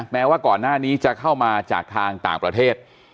แม้ว่าก่อนหน้านี้จะเข้ามาจากทางต่างประเทศ